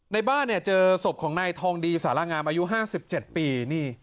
ในบ้านเจอศพของนายทองดีสารงามอายุ๕๗ปี